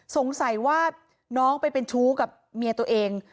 สงสัยว่าน้องไปเป็นชู้กับเมียตัวเอง